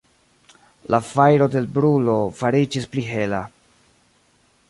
La fajro de l' brulo fariĝis pli hela.